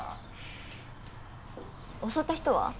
襲った人は？